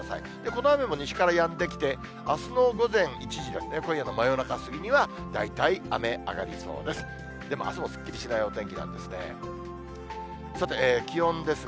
この雨も西からやんできて、あすの午前１時、今夜の真夜中過ぎには、大体雨、上がりそうです。